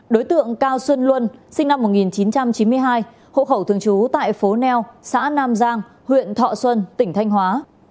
đối tượng cao xuân luân sinh năm một nghìn chín trăm chín mươi hai hộ khẩu thường trú tại phố neo xã nam giang huyện thọ xuân tỉnh thanh hóa